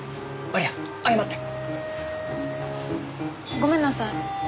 ごめんなさい。